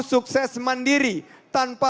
sukses mandiri tanpa